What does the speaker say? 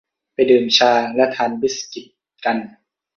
ไปดื่มชาและทานบิสกิตกัน